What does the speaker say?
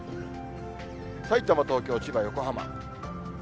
さいたま、東京、千葉、横浜。